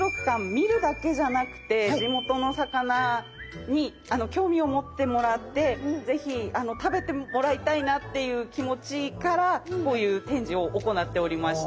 見るだけじゃなくて地元の魚に興味を持ってもらって是非食べてもらいたいなっていう気持ちからこういう展示を行っておりました。